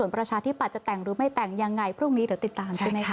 ประชาธิปัตยจะแต่งหรือไม่แต่งยังไงพรุ่งนี้เดี๋ยวติดตามใช่ไหมคะ